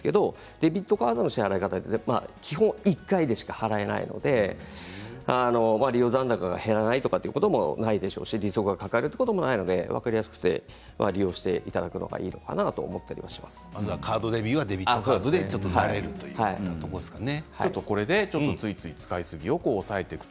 デビットカードは基本１回でしか払えないので利用残高が減らないということもないですし、利息がかかることもないので、分かりやすく利用していただくのがいいかなカードデビューはデビットカードということですね。